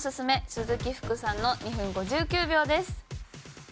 鈴木福さんの２分５９秒です。